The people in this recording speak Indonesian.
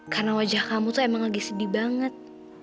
karena wajah kamu tuh emang sedih banget